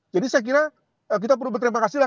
jadi saya kira kita perlu berterima kasih